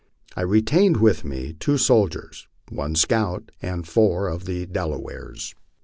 I retained with me two soldiers, one scout, and four of the Dela wares.